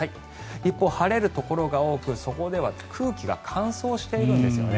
一方、晴れるところが多くそこでは空気が乾燥しているんですよね。